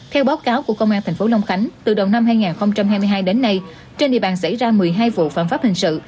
theo báo cáo của công an tp long khánh từ đầu năm hai nghìn hai mươi hai đến nay trên địa bàn xảy ra một mươi hai vụ phạm pháp hình sự